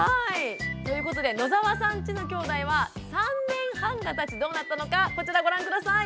ということで野澤さんちのきょうだいは３年半がたちどうなったのかこちらご覧下さい。